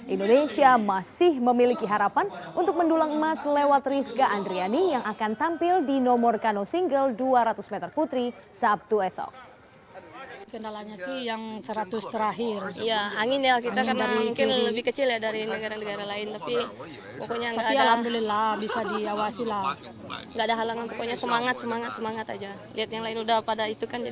indonesia masih memiliki harapan untuk mendulang emas lewat rizka andriani yang akan tampil di nomor kano single dua ratus meter putri sabtu esok